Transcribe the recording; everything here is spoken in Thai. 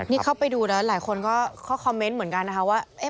นี่เข้าไปดูแล้วหลายคนก็เข้าคอมเมนต์เหมือนกันนะคะว่า